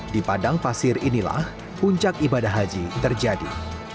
di padang pasir inilah puncak ibadah haji terjadi